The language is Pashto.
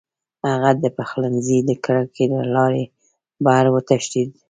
هغه د پخلنځي د کړکۍ له لارې بهر وتښتېد.